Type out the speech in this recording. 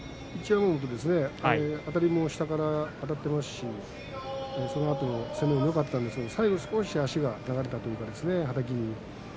一山本、あたりも下からあたっていますしそのあとの攻めもよかったんですが最後少し足が流れたというかはたきに。